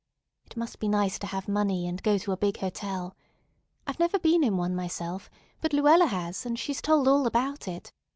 It must be nice to have money and go to a big hotel. I've never been in one myself; but Luella has, and she's told all about it.